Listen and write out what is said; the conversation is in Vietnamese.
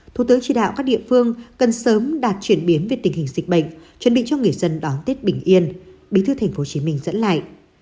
thủ tướng chỉ đạo các địa phương cần sớm đạt chuyển biến về tình hình dịch bệnh chuẩn bị cho người dân đón tết bình yên bí thư tp hcm dẫn lại